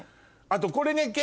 あとこれね